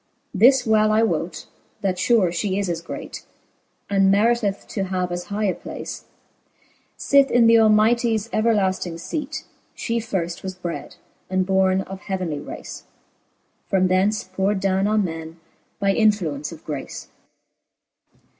This well L wote, that fare fhe is as great, And meriteth to have as high a place, Sith in th' Almighties everlafting feat She firft was bred, and borne of heavenly race ; From thence pour'd downe on men, by influence of grace, II.